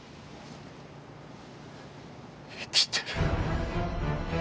生きてる。